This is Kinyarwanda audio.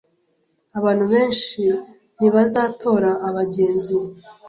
Abantu benshi ntibazatora abagenzi.